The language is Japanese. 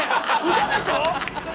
嘘でしょ！